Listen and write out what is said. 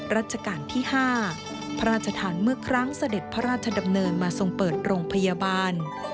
ราชการที่๕พระราชทานเมื่อครั้งเสด็จพระราชดำเนินมาทรงเปิดโรงพยาบาล